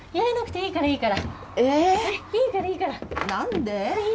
いいからいいから。